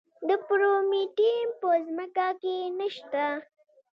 د پرومیټیم په ځمکه کې نه شته.